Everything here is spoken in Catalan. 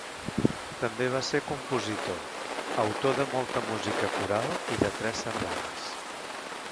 També va ser compositor, autor de molta música coral i de tres sardanes.